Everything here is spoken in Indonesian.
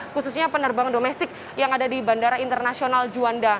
khususnya penerbangan domestik yang ada di bandara internasional juanda